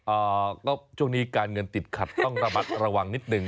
อ่าก็ช่วงนี้การเงินติดขัดต้องระมัดระวังนิดหนึ่ง